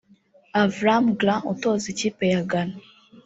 Avram Grant utoza ikipe ya Ghana